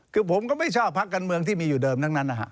คือผมก็ไม่ชอบพักการเมืองที่มีอยู่เดิมทั้งนั้นนะฮะ